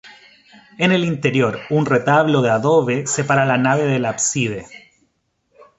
En el interior, un retablo de adobe separa la nave del ábside.